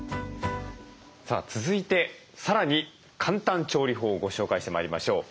さあ続いてさらに簡単調理法をご紹介してまいりましょう。